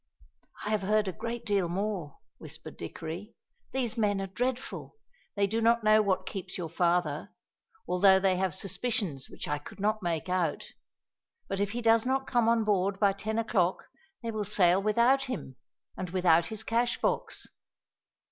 "I have heard a great deal more," whispered Dickory; "these men are dreadful. They do not know what keeps your father, although they have suspicions which I could not make out; but if he does not come on board by ten o'clock they will sail without him, and without his cash box."